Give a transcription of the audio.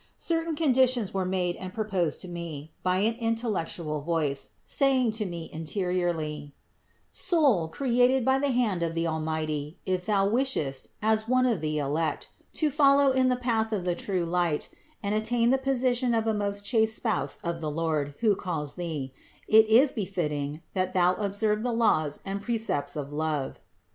Certain conditions were made and proposed to me by an intellectual voice, saying to me interiorly: "Soul, created by the hand of the Almighty, if thou wishest, as one of the elect, to follow in the path of the true light and attain the position of a most chaste spouse of the Lord, who calls thee, it is befitting, that thou observe the laws and precepts of love.